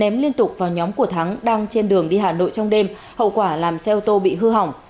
chém liên tục vào nhóm của thắng đang trên đường đi hà nội trong đêm hậu quả làm xe ô tô bị hư hỏng